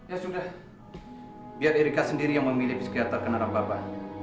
ya sudah biar erika sendiri yang memilih psikiater kenalan papa